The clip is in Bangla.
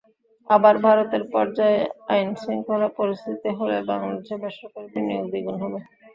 আবার ভারতের পর্যায়ে আইনশৃঙ্খলা পরিস্থিতি হলে বাংলাদেশে বেসরকারি বিনিয়োগ দ্বিগুণ হবে।